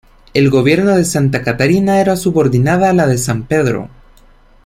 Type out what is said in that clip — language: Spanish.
El Gobierno de Santa Catarina era subordinada a la de San Pedro.